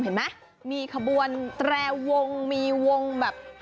เห็นไหมมีขบวนแตรวงมีวงแบบ